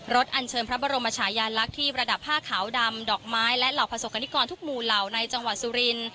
อันเชิญพระบรมชายาลักษณ์ที่ประดับผ้าขาวดำดอกไม้และเหล่าประสบกรณิกรทุกหมู่เหล่าในจังหวัดสุริน